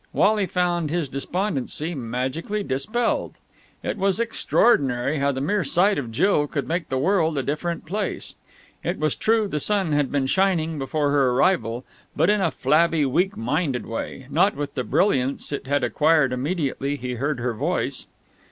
Wally found his despondency magically dispelled. It was extraordinary how the mere sight of Jill could make the world a different place. It was true the sun had been shining before her arrival, but in a flabby, weak minded way, not with the brilliance it had acquired immediately he heard her voice.